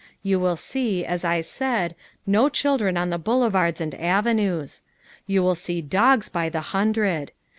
You will see, as I said, no children on the boulevards and avenues. You will see dogs by the hundred.